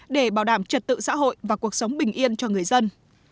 để bảo đảm trật tự xã hội và cuộc sống bình yên cho người dân